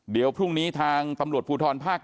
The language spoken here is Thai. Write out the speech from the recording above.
เดี๋ยวพรุ่งนี้ทางตำรวจภูทรภาค๗